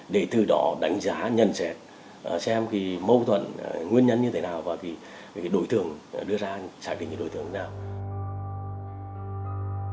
để từ đó đánh giá nhận xét xem mâu thuẫn nguyên nhân như thế nào và đối tượng đưa ra xác định đối tượng như thế nào